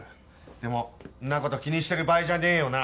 でもんなこと気にしてる場合じゃねえよな？